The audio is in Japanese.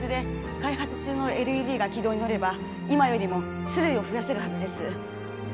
開発中のＬＥＤが軌道に乗れば今よりも種類を増やせるはずです